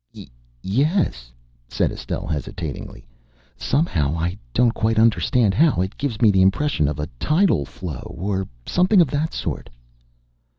"Y yes," said Estelle hesitatingly. "Somehow, I don't quite understand how, it gives me the impression of a tidal flow or something of that sort."